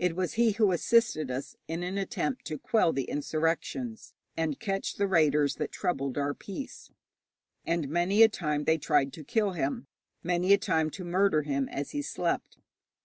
It was he who assisted us in an attempt to quell the insurrections and catch the raiders that troubled our peace, and many a time they tried to kill him, many a time to murder him as he slept.